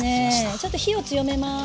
ちょっと火を強めます。